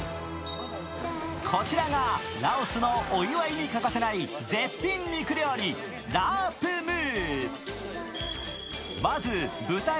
こちらが、ラオスのお祝いに欠かせない絶品肉料理、ラープ・ムー。